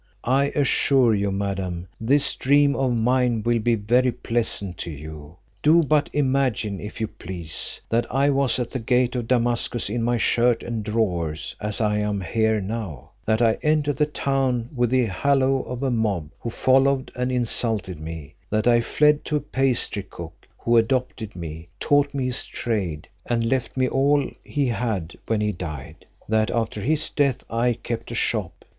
I assure you, madam, this dream of mine will be very pleasant to you. Do but imagine, if you please, that I was at the gate of Damascus in my shirt and drawers, as I am here now; that I entered the town with the halloo of a mob who followed and insulted me; that I fled to a pastry cook who adopted me, taught me his trade, and left me all he had when he died; that after his death I kept a shop.